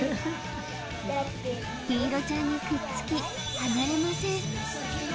陽彩ちゃんにくっつき離れません